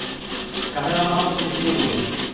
কাফেলার মালামাল থেকে মুখ ফিরিয়ে নিলেন।